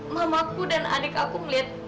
mama aku dan adik aku melihat